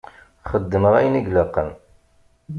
Xeddmeɣ ayen i laqen.